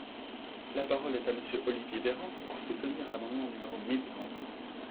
La parole est à Monsieur Olivier Véran, pour soutenir l’amendement numéro mille quarante-huit.